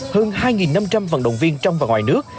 hơn hai năm trăm linh vận động viên trong và ngoài nước